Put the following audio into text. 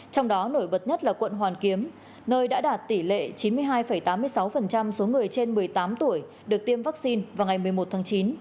trong đó nổi bật nhất là quận hoàn kiếm nơi đã đạt tỷ lệ chín mươi hai tám mươi sáu số người trên một mươi tám tuổi được tiêm vaccine vào ngày một mươi một tháng chín